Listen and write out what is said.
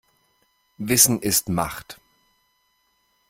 Wissen ist Macht.